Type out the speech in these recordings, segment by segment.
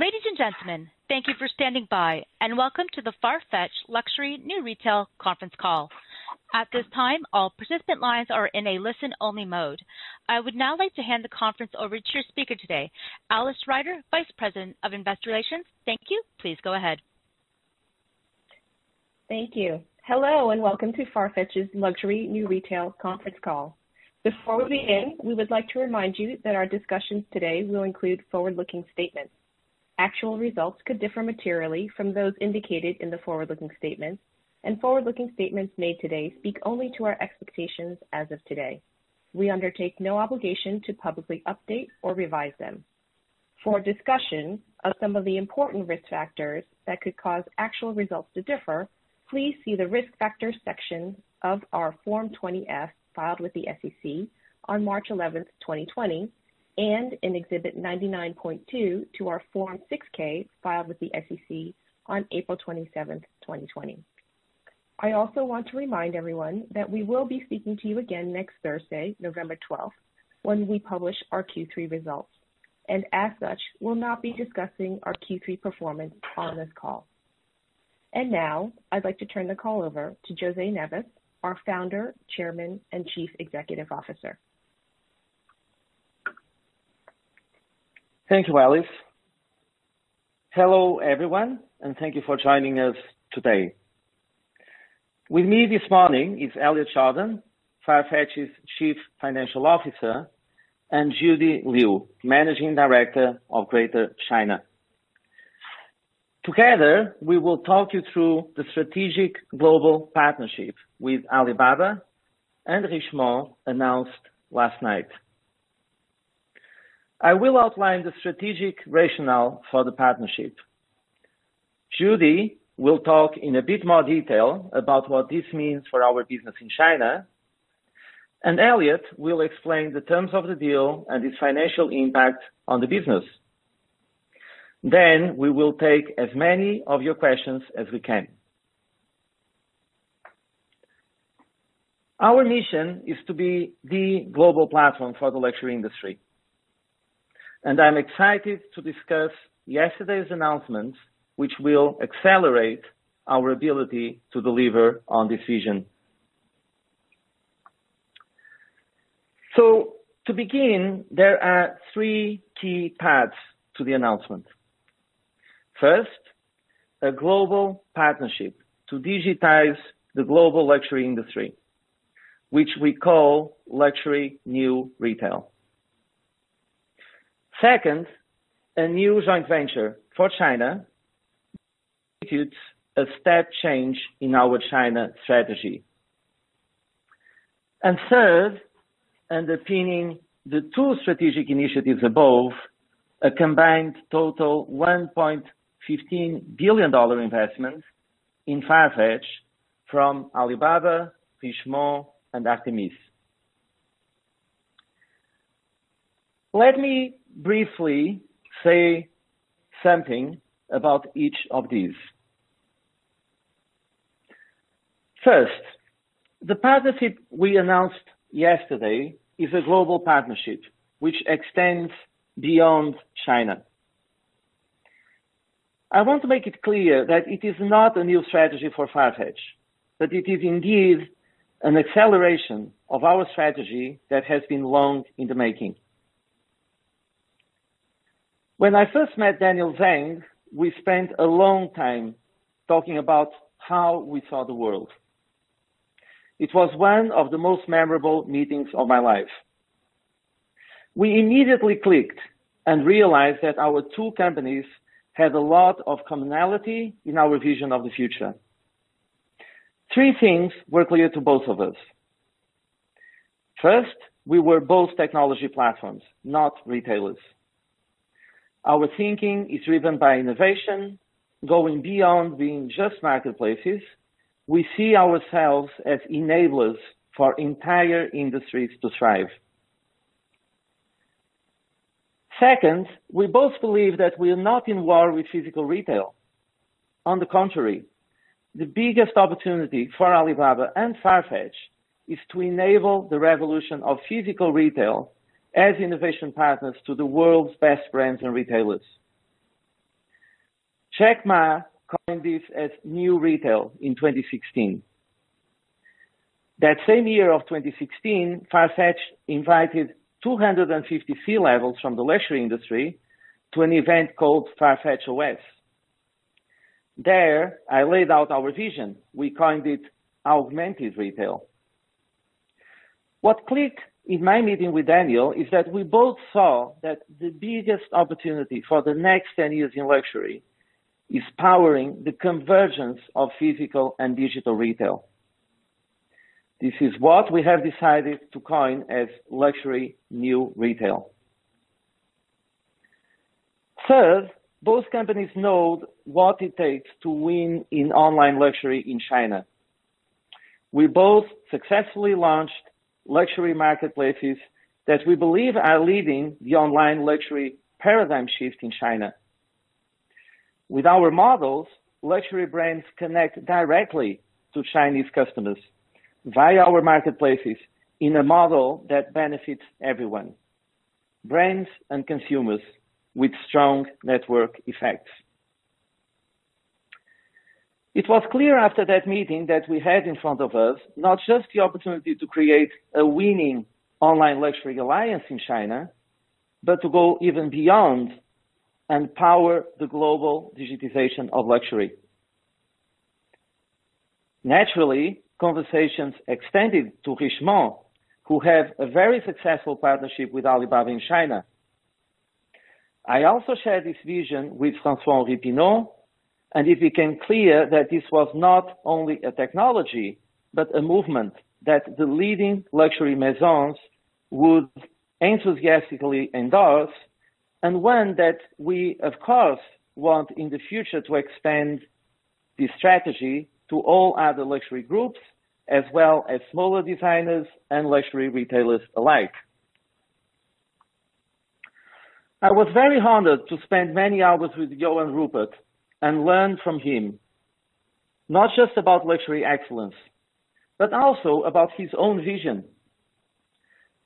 Ladies and gentlemen, thank you for standing by, and welcome to the Farfetch Luxury New Retail Conference Call. At this time, all participant lines are in a listen-only mode. I would now like to hand the conference over to your speaker today, Alice Ryder, Vice President of Investor Relations. Thank you. Please go ahead. Thank you. Hello, and welcome to Farfetch's Luxury New Retail Conference Call. Before we begin, we would like to remind you that our discussions today will include forward-looking statements. Actual results could differ materially from those indicated in the forward-looking statements, and forward-looking statements made today speak only to our expectations as of today. We undertake no obligation to publicly update or revise them. For a discussion of some of the important risk factors that could cause actual results to differ, please see the Risk Factors section of our Form 20-F filed with the SEC on March 11, 2020, and in Exhibit 99.2 to our Form 6-K filed with the SEC on April 27th, 2020. I also want to remind everyone that we will be speaking to you again next Thursday, November 12th, when we publish our Q3 results, and as such, will not be discussing our Q3 performance on this call. Now I'd like to turn the call over to José Neves, our Founder, Chairman, and Chief Executive Officer. Thank you, Alice. Hello, everyone, and thank you for joining us today. With me this morning is Elliot Jordan, Farfetch's Chief Financial Officer, and Judy Liu, Managing Director of Greater China. Together, we will talk you through the strategic global partnership with Alibaba and Richemont announced last night. I will outline the strategic rationale for the partnership. Judy will talk in a bit more detail about what this means for our business in China. Elliot will explain the terms of the deal and its financial impact on the business. We will take as many of your questions as we can. Our mission is to be the global platform for the luxury industry. I'm excited to discuss yesterday's announcement, which will accelerate our ability to deliver on this vision. To begin, there are three key parts to the announcement. First, a global partnership to digitize the global luxury industry, which we call Luxury New Retail. Second, a new joint venture for China, constitutes a step change in our China strategy. Third, underpinning the two strategic initiatives above, a combined total $1.15 billion investment in Farfetch from Alibaba, Richemont, and Artemis. Let me briefly say something about each of these. First, the partnership we announced yesterday is a global partnership which extends beyond China. I want to make it clear that it is not a new strategy for Farfetch, but it is indeed an acceleration of our strategy that has been long in the making. When I first met Daniel Zhang, we spent a long time talking about how we saw the world. It was one of the most memorable meetings of my life. We immediately clicked and realized that our two companies had a lot of commonality in our vision of the future. Three things were clear to both of us. First, we were both technology platforms, not retailers. Our thinking is driven by innovation, going beyond being just marketplaces. We see ourselves as enablers for entire industries to thrive. Second, we both believe that we are not in war with physical retail. On the contrary, the biggest opportunity for Alibaba and Farfetch is to enable the revolution of physical retail as innovation partners to the world's best brands and retailers. Jack Ma coined this as new retail in 2016. That same year of 2016, Farfetch invited 250 C-levels from the luxury industry to an event called FarfetchOS. There, I laid out our vision. We coined it Augmented Retail. What clicked in my meeting with Daniel is that we both saw that the biggest opportunity for the next 10 years in luxury is powering the convergence of physical and digital retail. This is what we have decided to coin as Luxury New Retail. Third, both companies know what it takes to win in online luxury in China. We both successfully launched luxury marketplaces that we believe are leading the online luxury paradigm shift in China. With our models, luxury brands connect directly to Chinese customers via our marketplaces in a model that benefits everyone, brands and consumers with strong network effects. It was clear after that meeting that we had in front of us not just the opportunity to create a winning online luxury alliance in China, but to go even beyond and power the global digitization of luxury. Naturally, conversations extended to Richemont, who have a very successful partnership with Alibaba in China. It became clear that this was not only a technology, but a movement that the leading Luxury Maisons would enthusiastically endorse, and one that we, of course, want in the future to expand the strategy to all other luxury groups, as well as smaller designers and luxury retailers alike. I was very honored to spend many hours with Johann Rupert and learn from him, not just about luxury excellence, but also about his own vision.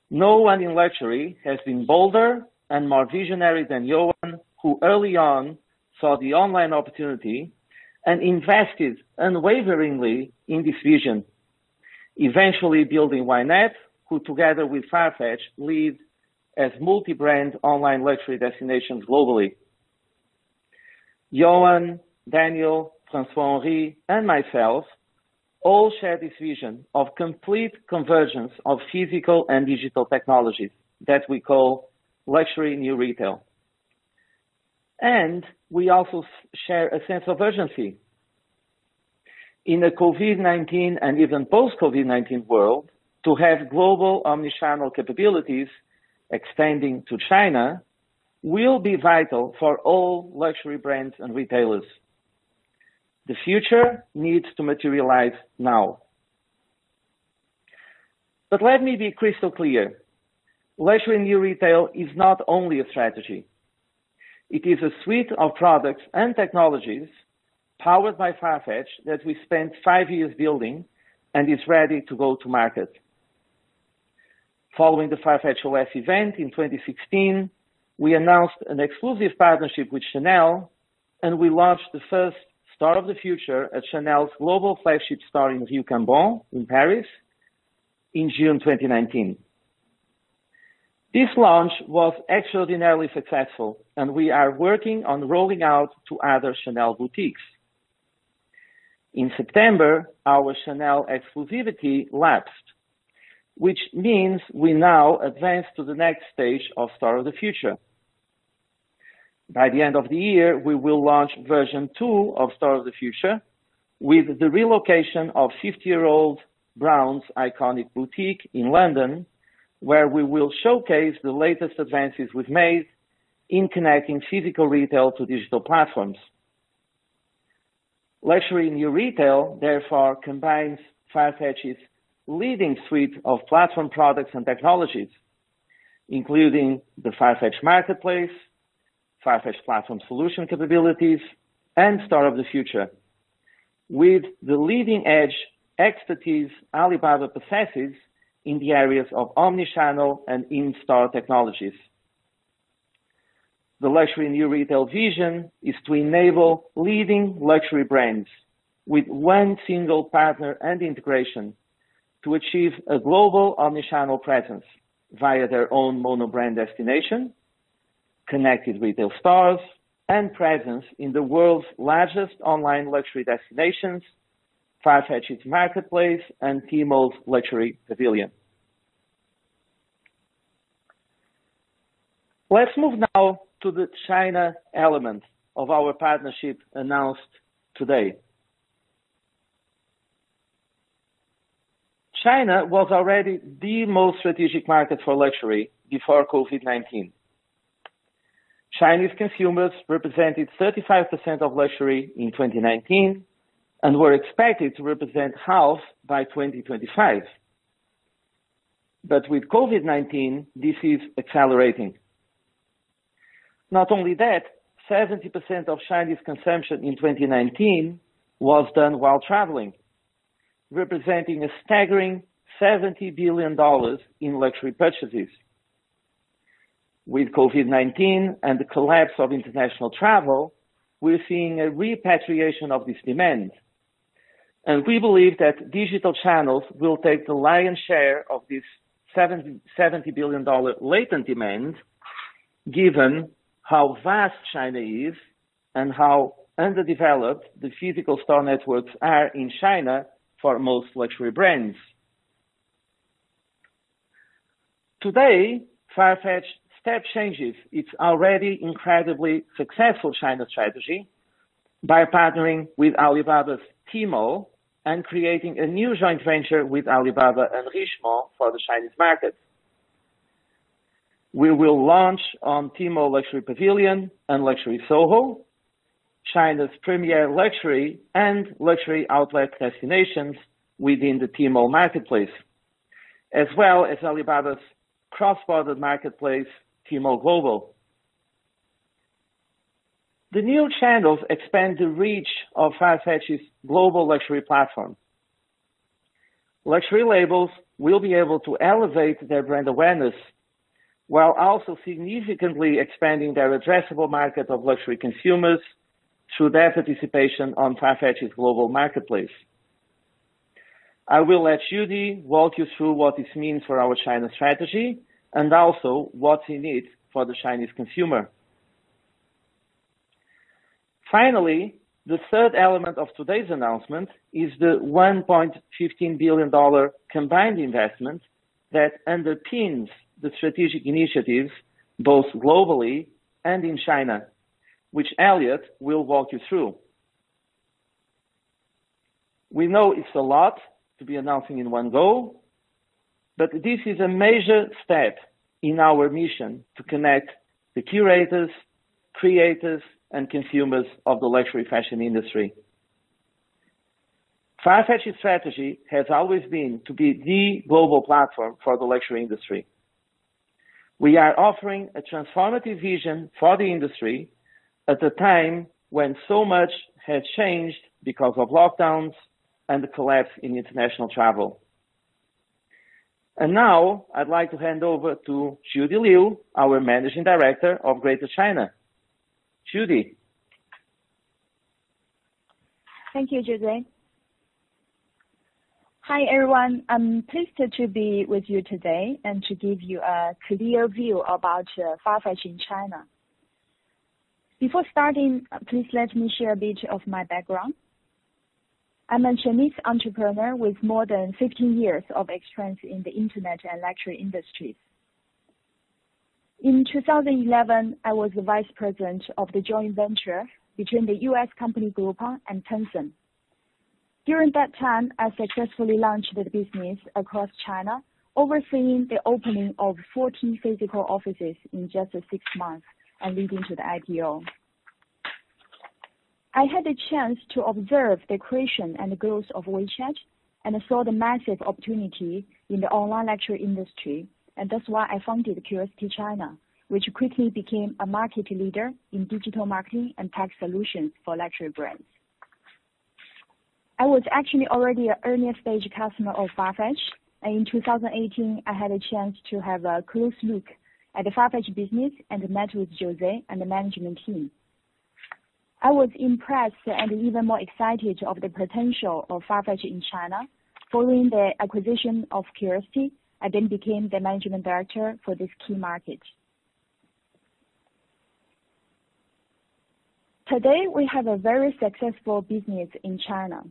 No one in luxury has been bolder and more visionary than Johann, who early on saw the online opportunity and invested unwaveringly in this vision, eventually building YNAP, who together with Farfetch, lead as multi-brand online luxury destinations globally. Johann, Daniel, François-Henri, and myself all share this vision of complete convergence of physical and digital technologies that we call Luxury New Retail, and we also share a sense of urgency. In a COVID-19 and even post-COVID-19 world, to have global omni-channel capabilities extending to China will be vital for all luxury brands and retailers. The future needs to materialize now. Let me be crystal clear. Luxury New Retail is not only a strategy. It is a suite of products and technologies powered by Farfetch that we spent five years building and is ready to go to market. Following the FarfetchOS event in 2016, we announced an exclusive partnership with Chanel, and we launched the first Store of the Future at Chanel's global flagship store in Rue Cambon in Paris in June 2019. This launch was extraordinarily successful, and we are working on rolling out to other Chanel boutiques. In September, our Chanel exclusivity lapsed, which means we now advance to the next stage of Store of the Future. By the end of the year, we will launch version 2 of Store of the Future with the relocation of 50-year-old Browns iconic boutique in London, where we will showcase the latest advances we've made in connecting physical retail to digital platforms. Luxury New Retail, therefore, combines Farfetch's leading suite of platform products and technologies, including the Farfetch Marketplace, Farfetch Platform Solutions capabilities, and Store of the Future with the leading-edge expertise Alibaba possesses in the areas of omni-channel and in-store technologies. The Luxury New Retail vision is to enable leading luxury brands with one single partner and integration to achieve a global omni-channel presence via their own mono-brand destination, connected retail stores, and presence in the world's largest online luxury destinations, Farfetch Marketplace, and Tmall Luxury Pavilion. Let's move now to the China element of our partnership announced today. China was already the most strategic market for luxury before COVID-19. Chinese consumers represented 35% of luxury in 2019 and were expected to represent half by 2025. With COVID-19, this is accelerating. Not only that, 70% of Chinese consumption in 2019 was done while traveling, representing a staggering $70 billion in luxury purchases. With COVID-19 and the collapse of international travel, we're seeing a repatriation of this demand. We believe that digital channels will take the lion's share of this $70 billion latent demand, given how vast China is and how underdeveloped the physical store networks are in China for most luxury brands. Today, Farfetch step changes its already incredibly successful China strategy by partnering with Alibaba's Tmall and creating a new joint venture with Alibaba and Richemont for the Chinese market. We will launch on Tmall Luxury Pavilion and Luxury Soho, China's premier luxury and luxury outlet destinations within the Tmall marketplace. As well as Alibaba's cross-border marketplace, Tmall Global. The new channels expand the reach of Farfetch's global luxury platform. Luxury labels will be able to elevate their brand awareness while also significantly expanding their addressable market of luxury consumers through their participation on Farfetch's global marketplace. I will let Judy walk you through what this means for our China strategy and also what's in it for the Chinese consumer. Finally, the third element of today's announcement is the $1.15 billion combined investment that underpins the strategic initiatives, both globally and in China, which Elliot will walk you through. We know it's a lot to be announcing in one go, but this is a major step in our mission to connect the curators, creators, and consumers of the luxury fashion industry. Farfetch's strategy has always been to be the global platform for the luxury industry. We are offering a transformative vision for the industry at a time when so much has changed because of lockdowns and the collapse in international travel. Now I'd like to hand over to Judy Liu, our Managing Director of Greater China. Judy? Thank you, José. Hi, everyone. I'm pleased to be with you today and to give you a clear view about Farfetch in China. Before starting, please let me share a bit of my background. I'm a Chinese entrepreneur with more than 15 years of experience in the internet and luxury industries. In 2011, I was the vice president of the joint venture between the U.S. company Groupon and Tencent. During that time, I successfully launched the business across China, overseeing the opening of 14 physical offices in just six months and leading to the IPO. I had the chance to observe the creation and growth of WeChat and saw the massive opportunity in the online luxury industry, that's why I founded CuriosityChina, which quickly became a market leader in digital marketing and tech solutions for luxury brands. I was actually already an early-stage customer of Farfetch, and in 2018 I had a chance to have a close look at the Farfetch business and met with José and the management team. I was impressed and even more excited of the potential of Farfetch in China. Following the acquisition of Curiosity, I then became the Management Director for this key market. Today, we have a very successful business in China.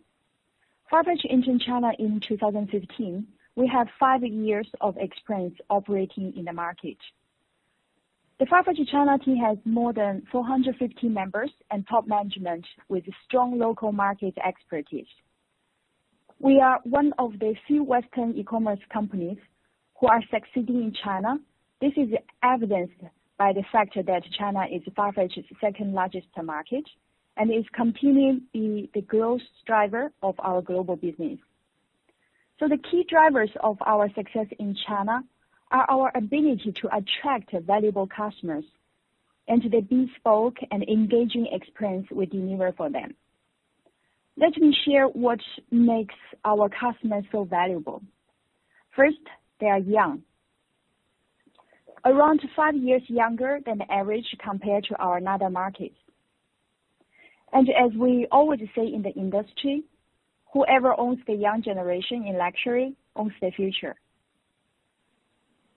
Farfetch entered China in 2015. We have five years of experience operating in the market. The Farfetch China team has more than 450 members and top management with strong local market expertise. We are one of the few Western e-commerce companies who are succeeding in China. This is evidenced by the fact that China is Farfetch's second-largest market and is continuing to be the growth driver of our global business. The key drivers of our success in China are our ability to attract valuable customers and the bespoke and engaging experience we deliver for them. Let me share what makes our customers so valuable. First, they are young. Around five years younger than the average compared to our other markets. As we always say in the industry, whoever owns the young generation in luxury owns the future.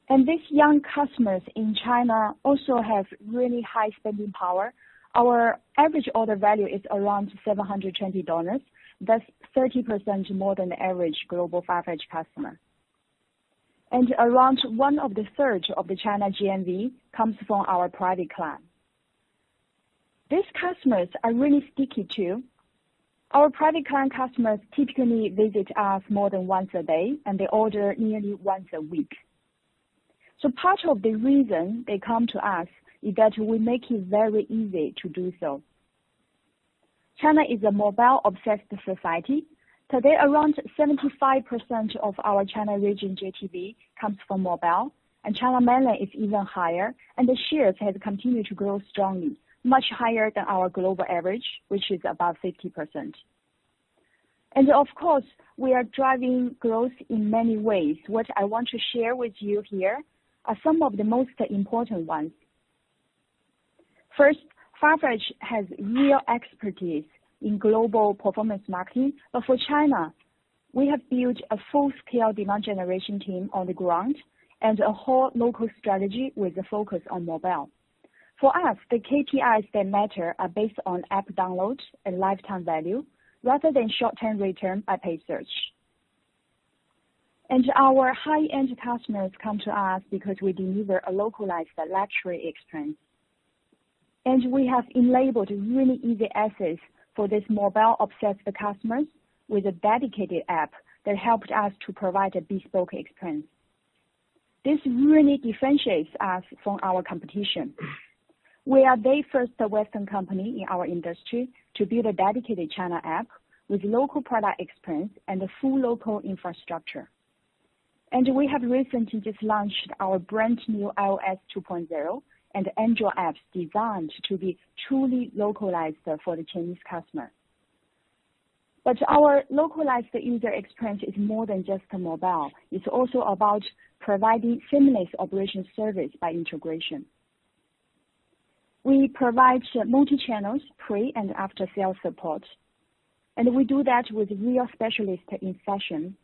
These young customers in China also have really high spending power. Our average order value is around $720. That's 30% more than the average global Farfetch customer. Around one of the third of the China GMV comes from our private client. These customers are really sticky too. Our private client customers typically visit us more than once a day, and they order nearly once a week. Part of the reason they come to us is that we make it very easy to do so. China is a mobile-obsessed society. Today, around 75% of our China region GMV comes from mobile, and China mainland is even higher, and the shares have continued to grow strongly, much higher than our global average, which is about 50%. Of course, we are driving growth in many ways. What I want to share with you here are some of the most important ones. First, Farfetch has real expertise in global performance marketing. For China, we have built a full-scale demand generation team on the ground and a whole local strategy with a focus on mobile. For us, the KPIs that matter are based on app downloads and lifetime value rather than short-term return by paid search. Our high-end customers come to us because we deliver a localized luxury experience. We have enabled really easy access for these mobile-obsessed customers with a dedicated app that helped us to provide a bespoke experience. This really differentiates us from our competition. We are the first Western company in our industry to build a dedicated China app with local product experience and a full local infrastructure. We have recently just launched our brand new iOS 2.0 and Android apps designed to be truly localized for the Chinese customer. Our localized user experience is more than just mobile. It's also about providing seamless operation service by integration. We provide multi-channels pre- and after-sales support, and we do that with real specialists in fashion.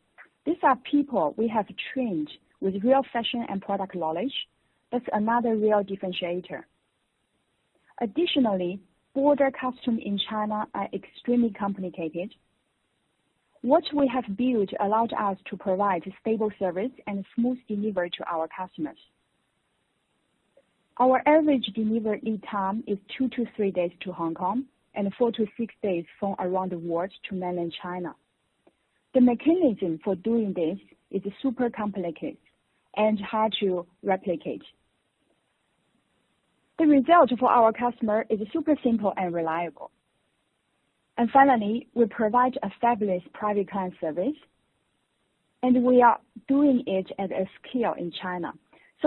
These are people we have trained with real fashion and product knowledge. That's another real differentiator. Additionally, border custom in China are extremely complicated. What we have built allows us to provide stable service and smooth delivery to our customers. Our average delivery lead time is two to three days to Hong Kong and four to six days from around the world to Mainland China. The mechanism for doing this is super complicated and hard to replicate. The result for our customer is super simple and reliable. Finally, we provide a fabulous private client service, and we are doing it at scale in China.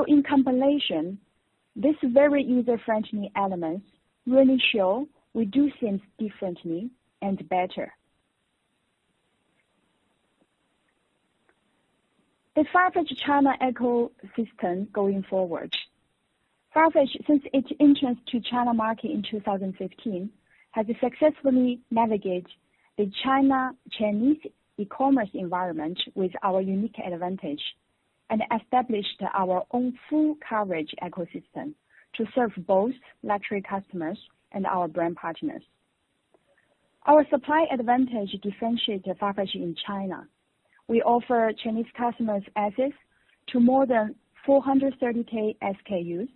In combination, these very user-friendly elements really show we do things differently and better. The Farfetch China Ecosystem going forward. Farfetch, since its entrance to China market in 2015, has successfully navigated the Chinese e-commerce environment with our unique advantage and established our own full coverage ecosystem, to serve both luxury customers and our brand partners. Our supply advantage differentiates Farfetch in China. We offer Chinese customers access to more than 430K SKUs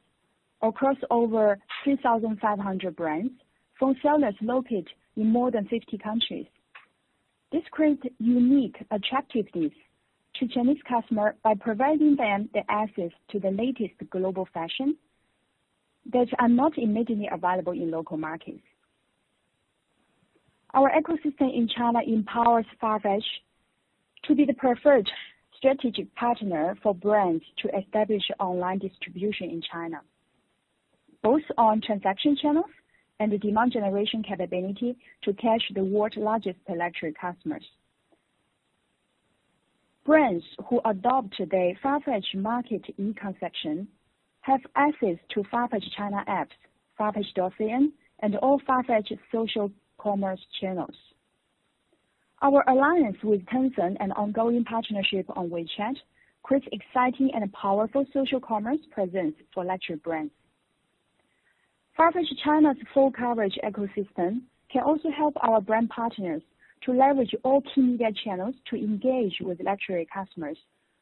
across over 3,500 brands from sellers located in more than 50 countries. This creates unique attractiveness to Chinese customers by providing them the access to the latest global fashion that are not immediately available in local markets. Our ecosystem in China empowers Farfetch to be the preferred strategic partner for brands to establish online distribution in China, both on transaction channels and the demand generation capability to catch the world's largest luxury customers. Brands who adopt the Farfetch Marketplace e-concession have access to Farfetch China apps, farfetch.cn, and all Farfetch social commerce channels. Our alliance with Tencent and ongoing partnership on WeChat creates exciting and powerful social commerce presence for luxury brands. Farfetch China's full coverage ecosystem can also help our brand partners to leverage all key media channels to engage with luxury customers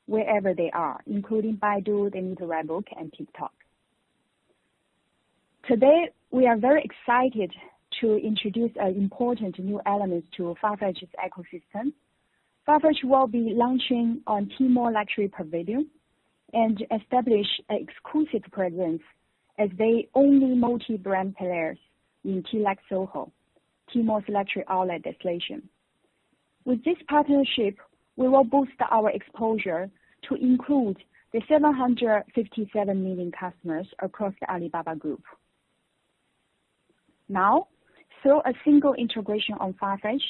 wherever they are, including Baidu, Little Red Book, and TikTok. Today, we are very excited to introduce an important new element to Farfetch's ecosystem. Farfetch will be launching on Tmall Luxury Pavilion and establish an exclusive presence as the only multi-brand player in Lux Soho, Tmall's luxury outlet destination. With this partnership, we will boost our exposure to include the 757 million customers across the Alibaba Group. Now, through a single integration on Farfetch,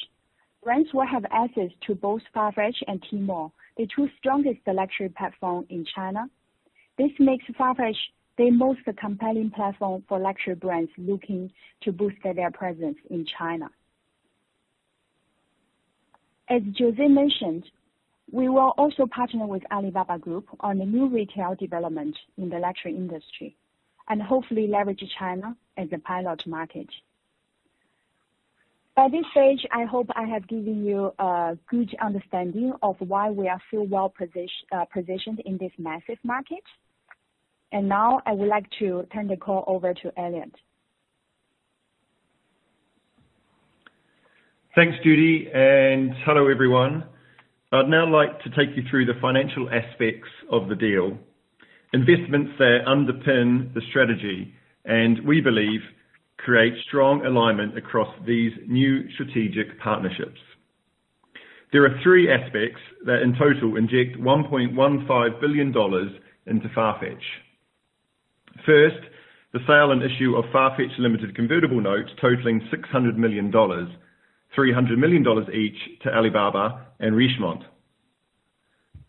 brands will have access to both Farfetch and Tmall, the two strongest luxury platforms in China. This makes Farfetch the most compelling platform for luxury brands looking to boost their presence in China. As José mentioned, we will also partner with Alibaba Group on new retail development in the luxury industry and hopefully leverage China as a pilot market. By this stage, I hope I have given you a good understanding of why we are still well-positioned in this massive market. Now, I would like to turn the call over to Elliot. Thanks, Judy. Hello, everyone. I'd now like to take you through the financial aspects of the deal, investments that underpin the strategy and, we believe, create strong alignment across these new strategic partnerships. There are three aspects that in total inject $1.15 billion into Farfetch. First, the sale and issue of Farfetch-limited convertible notes totaling $600 million, $300 million each to Alibaba and Richemont.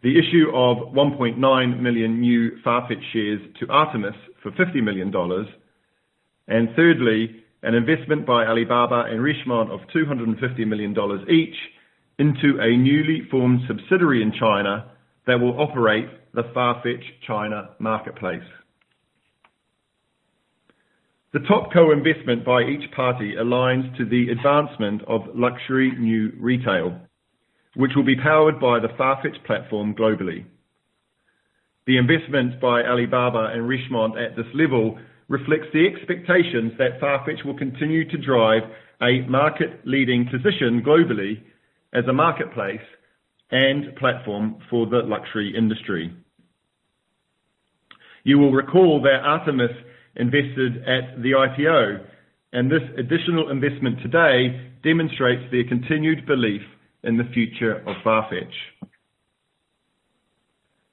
The issue of 1.9 million new Farfetch shares to Artemis for $50 million. Thirdly, an investment by Alibaba and Richemont of $250 million each into a newly formed subsidiary in China that will operate the Farfetch China marketplace. The top co-investment by each party aligns to the advancement of Luxury New Retail, which will be powered by the Farfetch Platform globally. The investment by Alibaba and Richemont at this level reflects the expectations that Farfetch will continue to drive a market-leading position globally, as a Marketplace and platform for the luxury industry. You will recall that Artemis invested at the IPO, and this additional investment today demonstrates their continued belief in the future of Farfetch.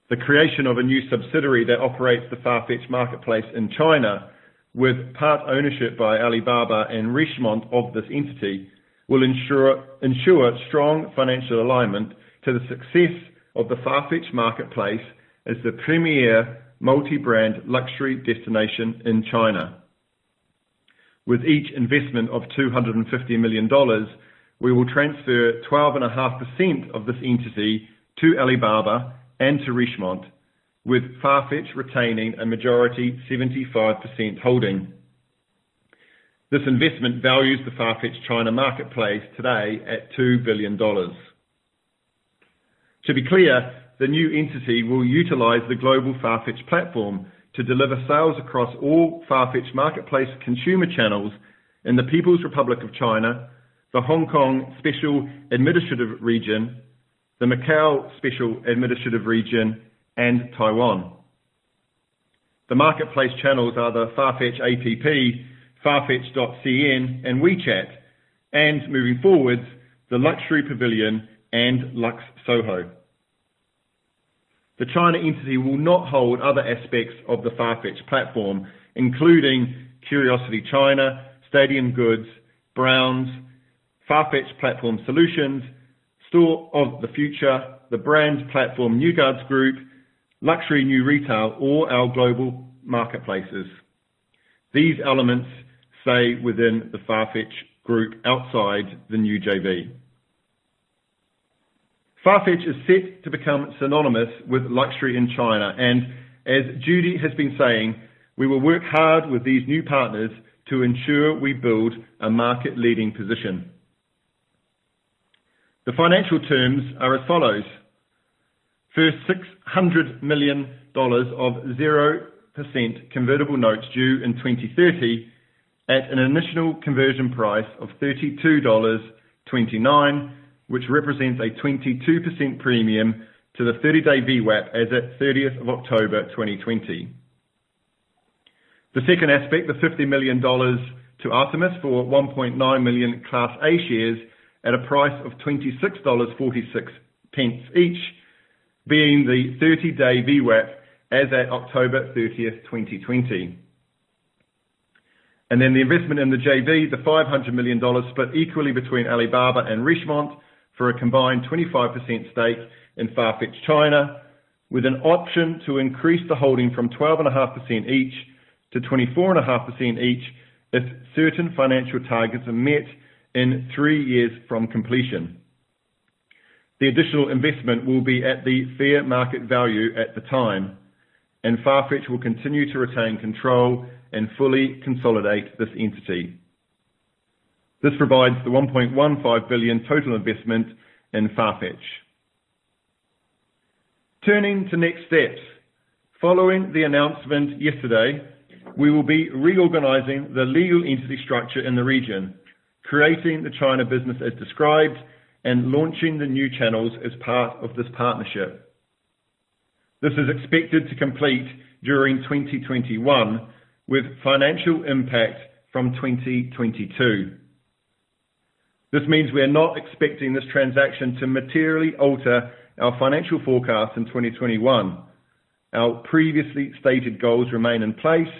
The creation of a new subsidiary that operates the Farfetch Marketplace in China, with part-ownership by Alibaba and Richemont of this entity, will ensure strong financial alignment to the success of the Farfetch Marketplace as the premier multi-brand luxury destination in China. With each investment of $250 million, we will transfer 12.5% of this entity to Alibaba and to Richemont, with Farfetch retaining a majority 75% holding. This investment values the Farfetch China Marketplace today at $2 billion. To be clear, the new entity will utilize the global Farfetch platform to deliver sales across all Farfetch Marketplace consumer channels in the People's Republic of China, the Hong Kong Special Administrative Region, the Macau Special Administrative Region, and Taiwan. The marketplace channels are the Farfetch app, farfetch.cn, and WeChat, and moving forward, the Luxury Pavilion and Lux Soho. The China entity will not hold other aspects of the Farfetch platform, including CuriosityChina, Stadium Goods, Browns, Farfetch Platform Solutions, Store of the Future, the brand platform New Guards Group, Luxury New Retail, or our global marketplaces. These elements stay within the Farfetch Group outside the new JV. Farfetch is set to become synonymous with luxury in China, and as Judy has been saying, we will work hard with these new partners to ensure we build a market-leading position. The financial terms are as follows. First, $600 million of 0% convertible notes due in 2030 at an initial conversion price of $32.29, which represents a 22% premium to the 30-day VWAP as at 30th of October 2020. The second aspect, the $50 million to Artemis for 1.9 million Class A shares at a price of $26.46 each, being the 30-day VWAP as at October 30th, 2020. The investment in the JV, the $500 million split equally between Alibaba and Richemont for a combined 25% stake in Farfetch China, with an option to increase the holding from 12.5% each to 24.5% each if certain financial targets are met in three years from completion. The additional investment will be at the fair market value at the time, and Farfetch will continue to retain control and fully consolidate this entity. This provides the $1.15 billion total investment in Farfetch. Turning to next steps, following the announcement yesterday, we will be reorganizing the legal entity structure in the region, creating the China business as described, and launching the new channels as part of this partnership. This is expected to complete during 2021, with financial impact from 2022. This means we are not expecting this transaction to materially alter our financial forecast in 2021. Our previously stated goals remain in place,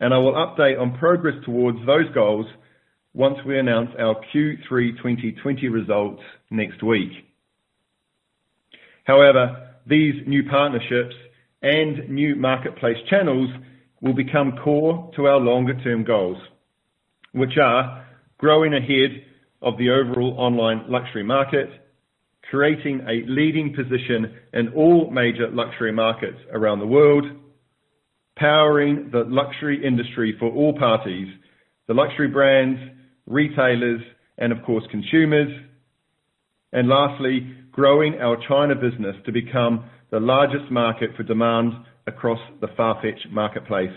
and I will update on progress towards those goals once we announce our Q3 2020 results next week. These new partnerships and new marketplace channels will become core to our longer-term goals, which are growing ahead of the overall online luxury market, creating a leading position in all major luxury markets around the world, powering the luxury industry for all parties, the luxury brands, retailers, and of course, consumers, and lastly, growing our China business to become the largest market for demand across the Farfetch Marketplace.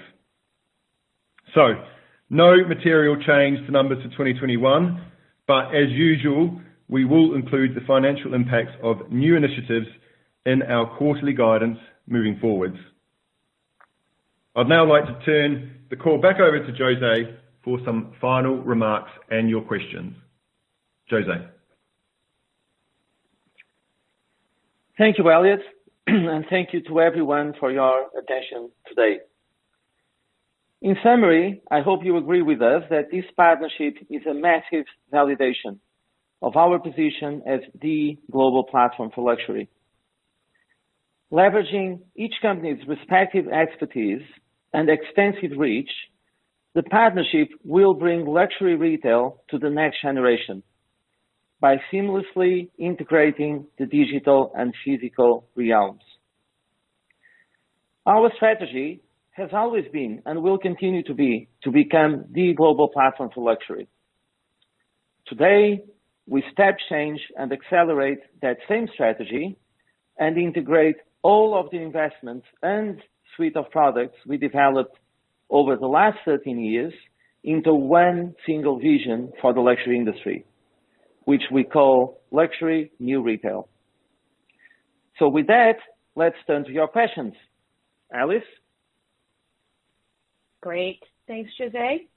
No material change to numbers for 2021, but as usual, we will include the financial impacts of new initiatives in our quarterly guidance moving forward. I'd now like to turn the call back over to José for some final remarks and your questions. José. Thank you, Elliot, and thank you to everyone for your attention today. In summary, I hope you agree with us that this partnership is a massive validation of our position as the global platform for luxury. Leveraging each company's respective expertise and extensive reach, the partnership will bring luxury retail to the next generation by seamlessly integrating the digital and physical realms. Our strategy has always been, and will continue to be, to become the global platform for luxury. Today, we step change and accelerate that same strategy. Integrate all of the investments and suite of products we developed over the last 13 years into one single vision for the luxury industry, which we call Luxury New Retail. With that, let's turn to your questions. Alice? Thanks, José.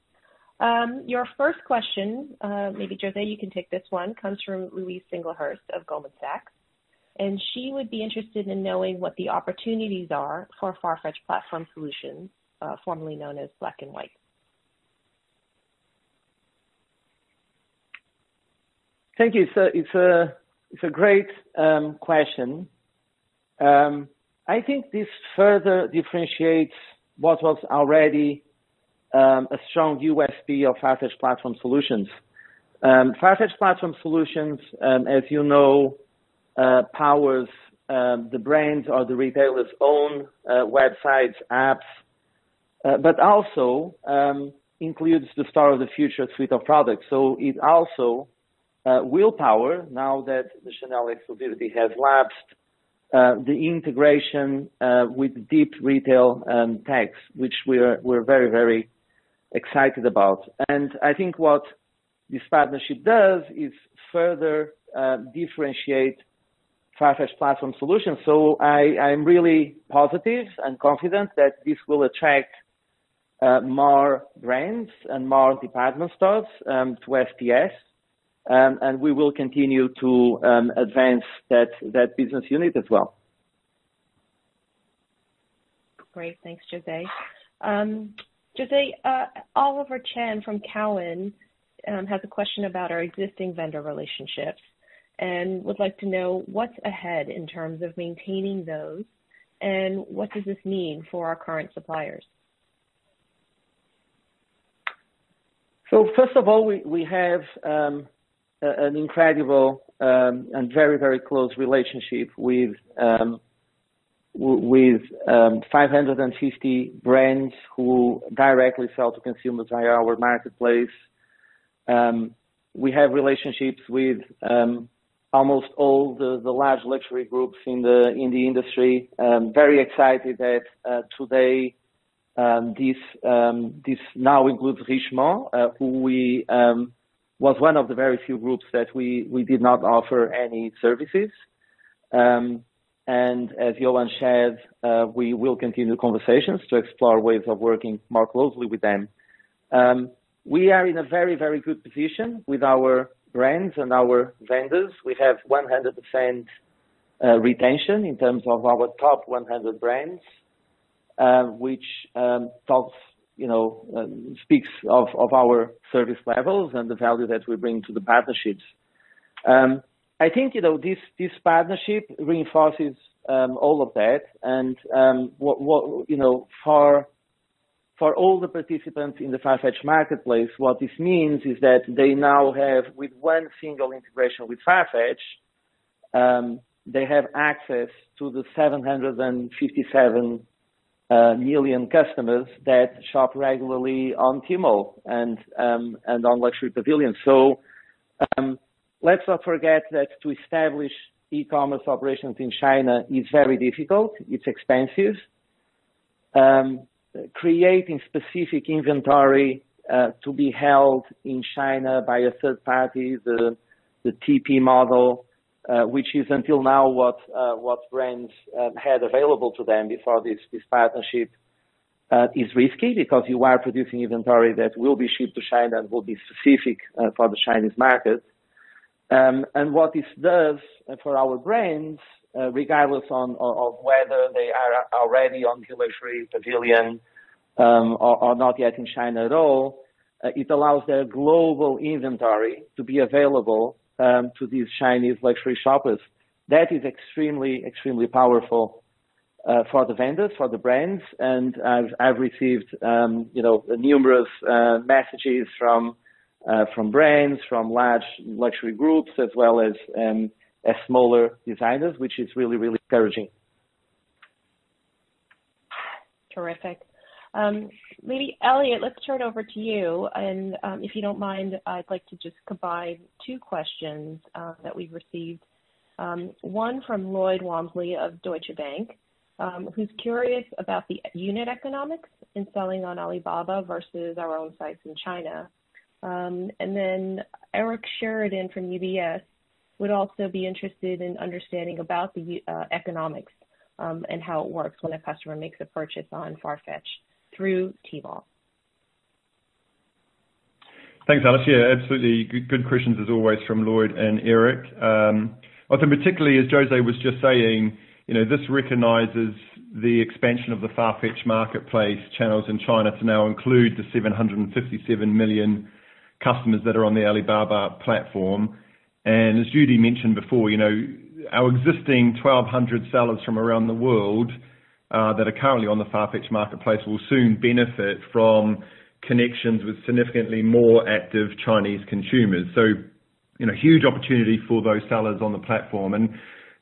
Your first question, maybe José, you can take this one, comes from Louise Singlehurst of Goldman Sachs. She would be interested in knowing what the opportunities are for Farfetch Platform Solutions, formerly known as Black & White. Thank you. It's a great question. I think this further differentiates what was already a strong USP of Farfetch Platform Solutions. Farfetch Platform Solutions, as you know, powers the brands or the retailers' own websites, apps, but also includes the Store of the Future suite of products. It also will power, now that the Chanel exclusivity has lapsed, the integration with deep retail tech, which we're very, very excited about. I think what this partnership does is further differentiate Farfetch Platform Solutions. I'm really positive and confident that this will attract more brands and more department stores to FPS. We will continue to advance that business unit as well. Thanks, José. José, Oliver Chen from Cowen has a question about our existing vendor relationships and would like to know what's ahead in terms of maintaining those, and what does this mean for our current suppliers? First of all, we have an incredible, and very, very close relationship with 550 brands who directly sell to consumers via our marketplace. We have relationships with almost all the large luxury groups in the industry. Very excited that today, this now includes Richemont, who was one of the very few groups that we did not offer any services. As Johann shared, we will continue conversations to explore ways of working more closely with them. We are in a very, very good position with our brands and our vendors. We have 100% retention in terms of our top 100 brands, which speaks of our service levels and the value that we bring to the partnerships. I think, this partnership reinforces all of that and for all the participants in the Farfetch Marketplace, what this means is that they now have, with one single integration with Farfetch, they have access to the 757 million customers that shop regularly on Tmall and on Luxury Pavilion. Let's not forget that to establish e-commerce operations in China is very difficult. It's expensive. Creating specific inventory to be held in China by a third party, the TP model, which is until now what brands had available to them before this partnership, is risky because you are producing inventory that will be shipped to China and will be specific for the Chinese market. What this does for our brands, regardless of whether they are already on Tmall Luxury Pavilion, or not yet in China at all, it allows their global inventory to be available to these Chinese luxury shoppers. That is extremely powerful for the vendors, for the brands. I've received numerous messages from brands, from large luxury groups as well as smaller designers, which is really encouraging. Terrific. Maybe Elliot, let's turn over to you, and, if you don't mind, I'd like to just combine two questions that we've received. One from Lloyd Walmsley of Deutsche Bank, who's curious about the unit economics in selling on Alibaba versus our own sites in China. Eric Sheridan from UBS would also be interested in understanding about the economics, and how it works when a customer makes a purchase on Farfetch through Tmall. Thanks, Alice. Absolutely. Good questions as always from Lloyd and Eric. Particularly as José was just saying, this recognizes the expansion of the Farfetch Marketplace channels in China to now include the 757 million customers that are on the Alibaba platform. As Judy mentioned before, our existing 1,200 sellers from around the world that are currently on the Farfetch Marketplace will soon benefit from connections with significantly more active Chinese consumers. Huge opportunity for those sellers on the platform.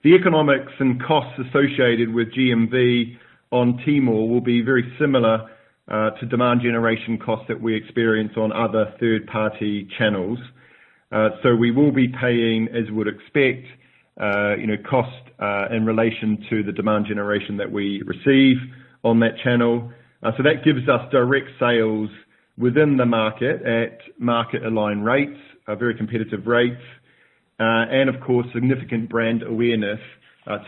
The economics and costs associated with GMV on Tmall will be very similar to demand generation costs that we experience on other third-party channels. We will be paying, as we'd expect, cost in relation to the demand generation that we receive on that channel. That gives us direct sales within the market at market-aligned rates, very competitive rates, and of course, significant brand awareness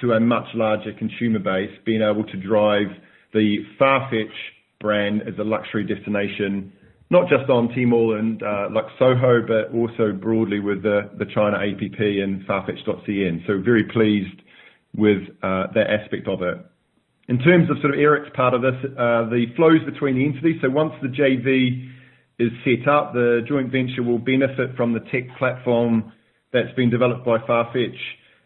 to a much larger consumer base, being able to drive the Farfetch brand as a luxury destination, not just on Tmall and Lux Soho, but also broadly with the China app and farfetch.cn. Very pleased with that aspect of it. In terms of sort of Eric's part of this, the flows between the entities. Once the JV is set up, the joint venture will benefit from the tech platform that's been developed by Farfetch,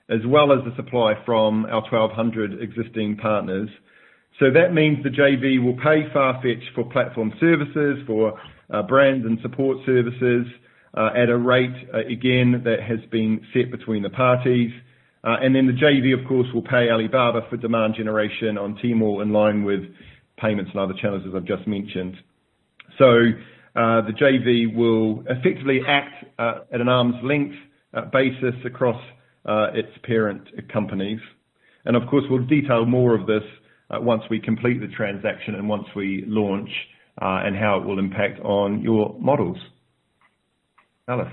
as well as the supply from our 1,200 existing partners. That means the JV will pay Farfetch for platform services, for brands and support services, at a rate, again, that has been set between the parties. The JV, of course, will pay Alibaba for demand generation on Tmall in line with payments and other channels, as I've just mentioned. The JV will effectively act at an arm's length basis across its parent companies. We'll detail more of this once we complete the transaction and once we launch, and how it will impact on your models. Alice.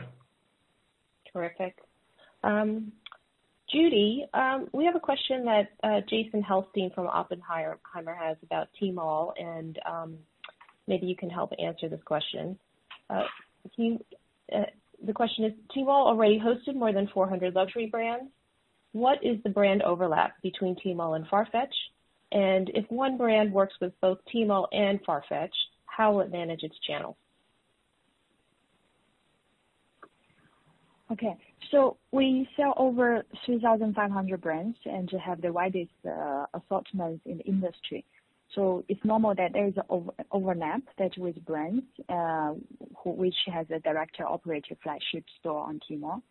Terrific. Judy, we have a question that Jason Helfstein from Oppenheimer has about Tmall, and maybe you can help answer this question. The question is, Tmall already hosted more than 400 luxury brands. What is the brand overlap between Tmall and Farfetch? If one brand works with both Tmall and Farfetch, how will it manage its channel? We sell over 2,500 brands and to have the widest assortments in the industry. It's normal that there is an overlap that with brands, which has a director operator flagship store on Tmall.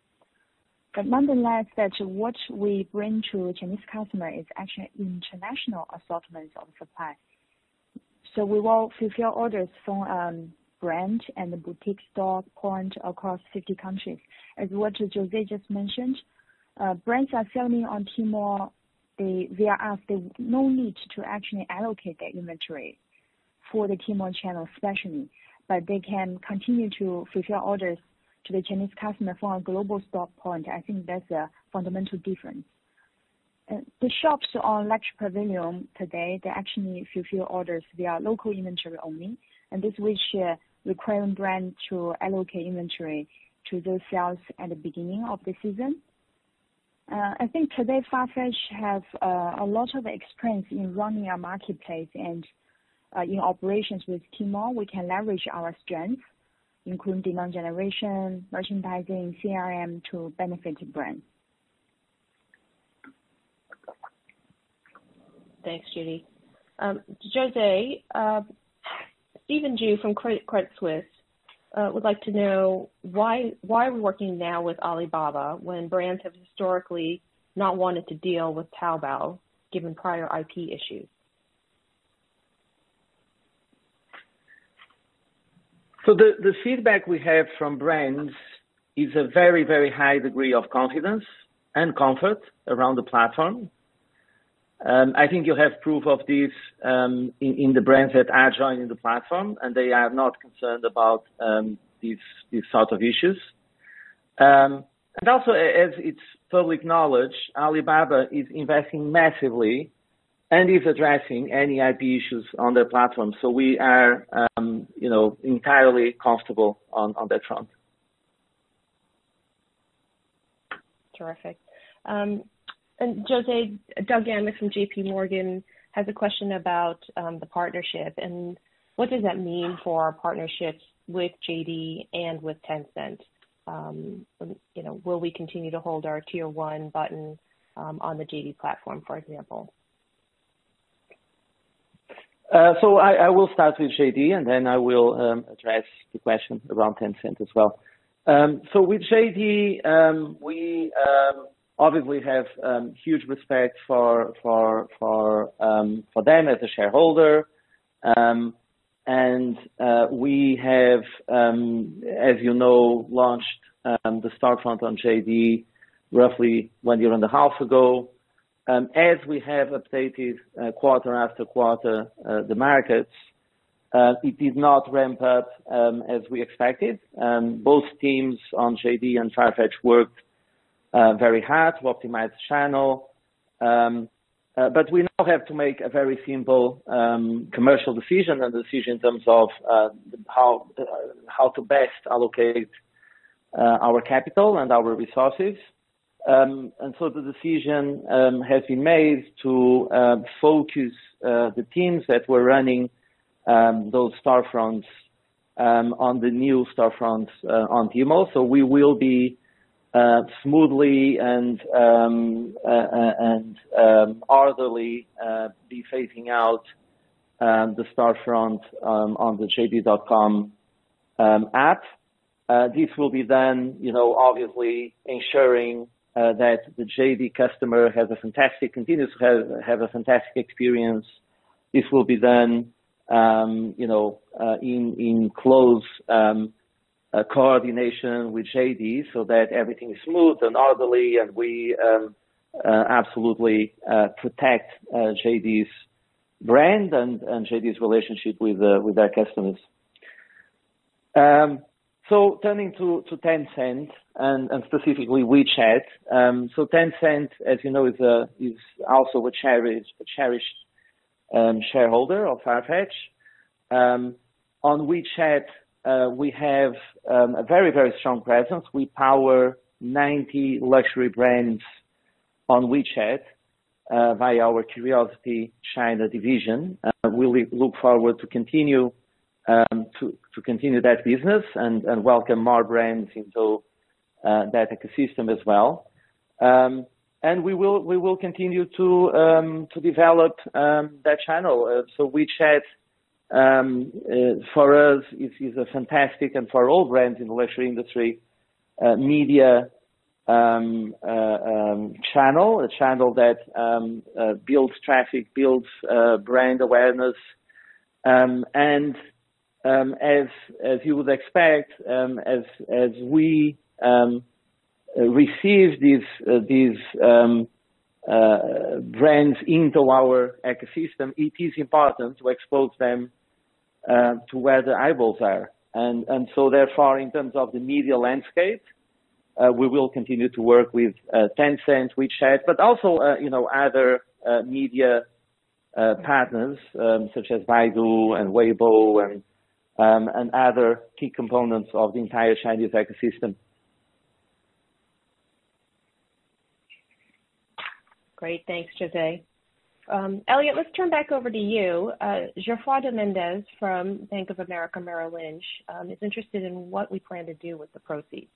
Nonetheless, that what we bring to Chinese customer is actually international assortments of supply. We will fulfill orders from brand and the boutique store point across 50 countries. As what José just mentioned, brands are selling on Tmall. There's no need to actually allocate the inventory for the Tmall channel, especially. They can continue to fulfill orders to the Chinese customer from a global stock point. I think that's a fundamental difference. The shops on Luxury Pavilion today, they actually fulfill orders via local inventory only, and this will require brand to allocate inventory to those sales at the beginning of the season. I think today, Farfetch have a lot of experience in running a marketplace and in operations with Tmall. We can leverage our strengths, including demand generation, merchandising, CRM, to benefit the brand. Thanks, Judy. José, Stephen Ju from Credit Suisse would like to know why are we working now with Alibaba when brands have historically not wanted to deal with Taobao given prior IP issues? The feedback we have from brands is a very high degree of confidence and comfort around the platform. I think you have proof of this, in the brands that are joining the platform, they are not concerned about these sort of issues. Also, as it's public knowledge, Alibaba is investing massively and is addressing any IP issues on their platform. We are entirely comfortable on that front. Terrific. José, Doug Anmuth from J.P. Morgan has a question about the partnership and what does that mean for our partnerships with JD and with Tencent? Will we continue to hold our Tier 1 button on the JD platform, for example? I will start with JD and then I will address the question around Tencent as well. We have, as you know, launched the storefront on JD roughly one year and a half ago. As we have updated quarter after quarter, the markets, it did not ramp up as we expected. Both teams on JD and Farfetch worked very hard to optimize the channel. We now have to make a very simple commercial decision and decision in terms of how to best allocate our capital and our resources. The decision has been made to focus the teams that were running those storefronts on the new storefronts on Tmall. We will be smoothly and orderly be phasing out the storefront on the JD.com app. This will be done, obviously ensuring that the JD customer continues to have a fantastic experience. This will be done in close coordination with JD so that everything is smooth and orderly and we absolutely protect JD's brand and JD's relationship with their customers. Turning to Tencent, and specifically WeChat. Tencent, as you know, is also a cherished shareholder of Farfetch. On WeChat, we have a very strong presence. We power 90 luxury brands on WeChat, via our CuriosityChina division. We look forward to continue that business and welcome more brands into that ecosystem as well. We will continue to develop that channel. WeChat, for us, is a fantastic, and for all brands in the luxury industry, media channel. A channel that builds traffic, builds brand awareness. As you would expect, as we receive these brands into our ecosystem, it is important to expose them to where the eyeballs are. Therefore, in terms of the media landscape, we will continue to work with Tencent, WeChat, but also other media partners such as Baidu and Weibo and other key components of the entire Chinese ecosystem. Thanks, José. Elliot, let's turn back over to you. Geoffroy de Mendez from Bank of America Merrill Lynch is interested in what we plan to do with the proceeds.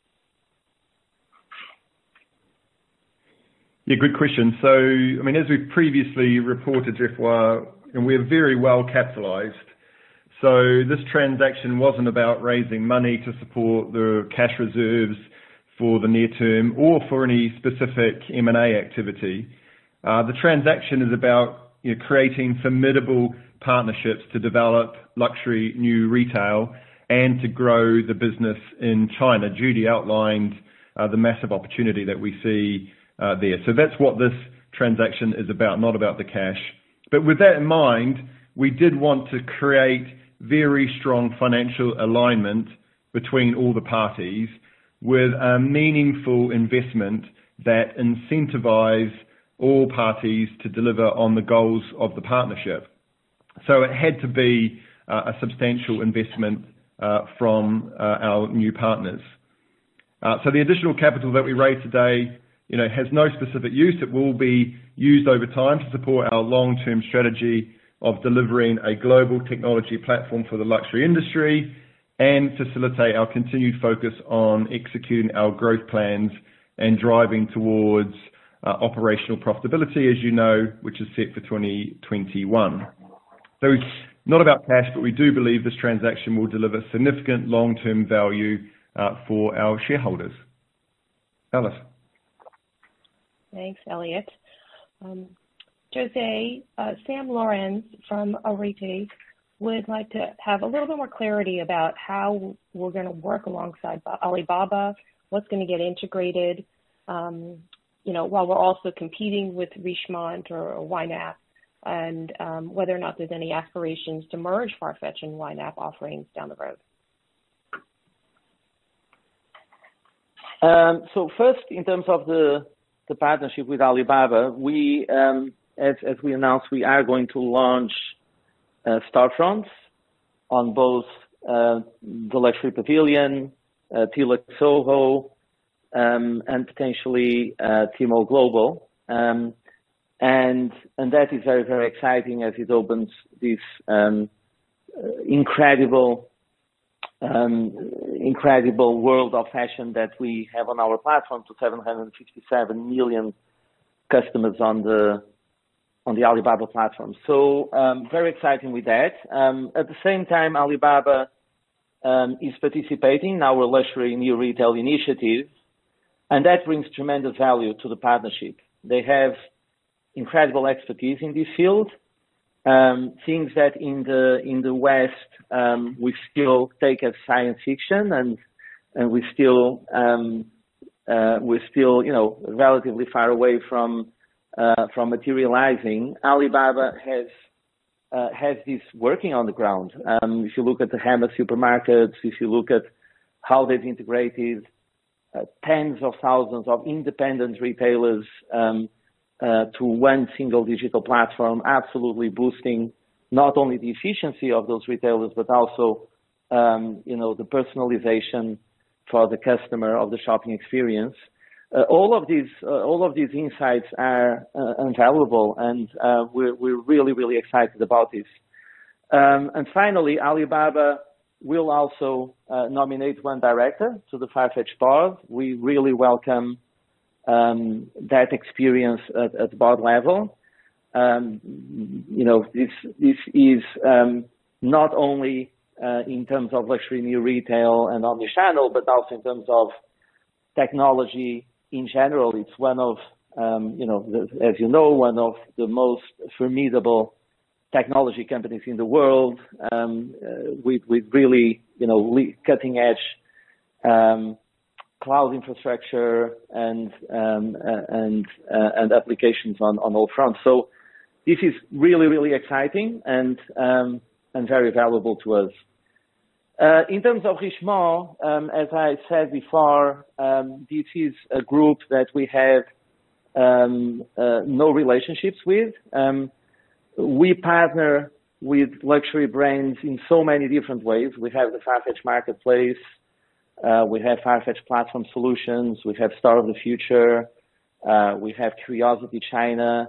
Good question. As we've previously reported, Geoffroy, and we are very well capitalized. This transaction wasn't about raising money to support the cash reserves for the near term or for any specific M&A activity. The transaction is about creating formidable partnerships to develop Luxury New Retail and to grow the business in China. Judy outlined the massive opportunity that we see there. That's what this transaction is about, not about the cash. With that in mind, we did want to create very strong financial alignment between all the parties, with a meaningful investment that incentivize all parties to deliver on the goals of the partnership. It had to be a substantial investment from our new partners. The additional capital that we raised today has no specific use. It will be used over time to support our long-term strategy of delivering a global technology platform for the luxury industry and facilitate our continued focus on executing our growth plans and driving towards operational profitability, as you know, which is set for 2021. It's not about cash, but we do believe this transaction will deliver significant long-term value for our shareholders. Alice. Thanks, Elliot. José, Sam Lourensz from Arete would like to have a little bit more clarity about how we're going to work alongside Alibaba, what's going to get integrated, while we're also competing with Richemont or YNAP, and whether or not there's any aspirations to merge Farfetch and YNAP offerings down the road. First, in terms of the partnership with Alibaba, as we announced, we are going to launch storefronts on both the Luxury Pavilion, TLux Soho, and potentially Tmall Global. That is very, very exciting as it opens this incredible world of fashion that we have on our platform to 757 million customers on the Alibaba platform. Very exciting with that. At the same time, Alibaba is participating in our Luxury New Retail initiative, and that brings tremendous value to the partnership. They have incredible expertise in this field. Things that in the West, we still take as science fiction and we're still relatively far away from materializing. Alibaba has this working on the ground. If you look at the Hema supermarkets, if you look at how they've integrated tens of thousands of independent retailers to one single digital platform, absolutely boosting not only the efficiency of those retailers, but also the personalization for the customer of the shopping experience. All of these insights are invaluable. We're really excited about this. Finally, Alibaba will also nominate one director to the Farfetch board. We really welcome that experience at the board level. This is not only in terms of Luxury New Retail and omnichannel, but also in terms of technology in general. It's one of, as you know, the most formidable technology companies in the world with really cutting-edge cloud infrastructure and applications on all fronts. This is really exciting and very valuable to us. In terms of Richemont, as I said before, this is a group that we have no relationships with. We partner with luxury brands in so many different ways. We have the Farfetch Marketplace, we have Farfetch Platform Solutions, we have Store of the Future, we have CuriosityChina.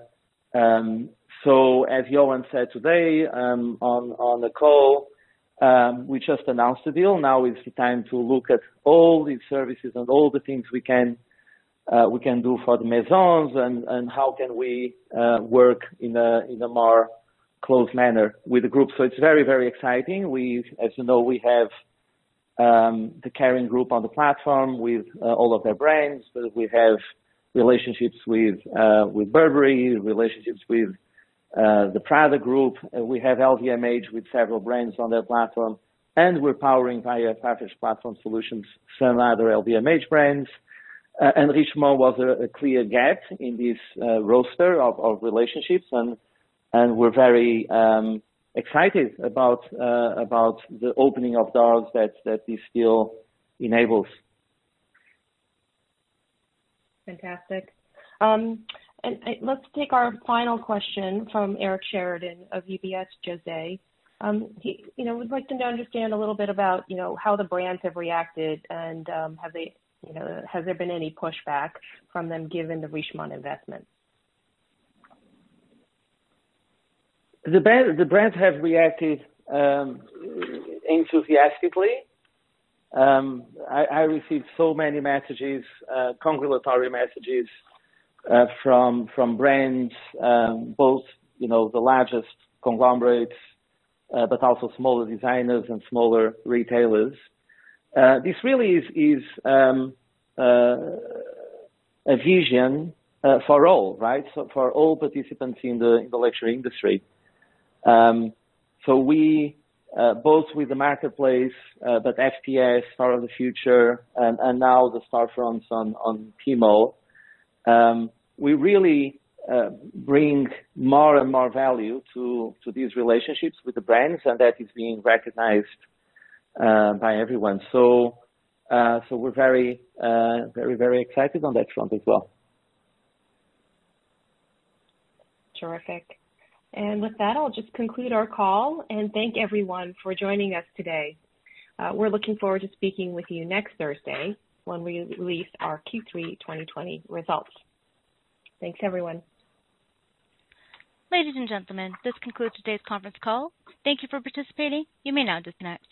As Johann said today on the call, we just announced the deal. Now is the time to look at all these services and all the things we can do for the Maisons and how can we work in a more close manner with the group. It's very, very exciting. As you know, we have the Kering Group on the platform with all of their brands. We have relationships with Burberry, relationships with the Prada Group. We have LVMH with several brands on their platform, and we're powering via Farfetch Platform Solutions for other LVMH brands. Richemont was a clear gap in this roster of relationships, and we're very excited about the opening of doors that this deal enables. Let's take our final question from Eric Sheridan of UBS, José. He would like to understand a little bit about how the brands have reacted and has there been any pushback from them given the Richemont investment? The brands have reacted enthusiastically. I received so many messages, congratulatory messages from brands both the largest conglomerates, but also smaller designers and smaller retailers. This really is a vision for all, right? For all participants in the luxury industry. We, both with the marketplace, but FPS, Store of the Future, and now the storefronts on Tmall, we really bring more and more value to these relationships with the brands, and that is being recognized by everyone. We're very excited on that front as well. Terrific. With that, I'll just conclude our call and thank everyone for joining us today. We're looking forward to speaking with you next Thursday when we release our Q3 2020 results. Thanks, everyone. Ladies and gentlemen, this concludes today's conference call. Thank you for participating. You may now disconnect.